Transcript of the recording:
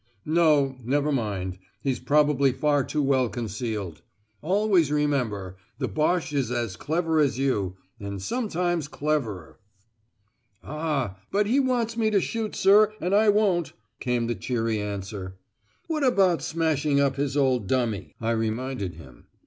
"No. Never mind; he's probably far too well concealed. Always remember the Boche is as clever as you, and sometimes cleverer." "Ah, but he wants me to shoot, sir, and I won't," came the cheery answer. "What about smashing up his old dummy?" I reminded him.